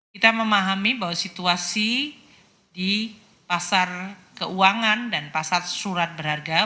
kita memahami bahwa situasi di pasar keuangan dan pasar surat berharga